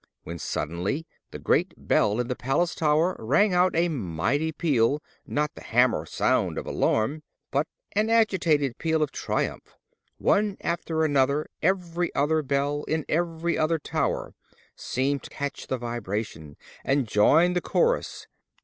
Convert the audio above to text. When suddenly the great bell in the palace tower rang out a mighty peal: not the hammer sound of alarm, but an agitated peal of triumph; and one after another every other bell in every other tower seemed to catch the vibration and join the chorus.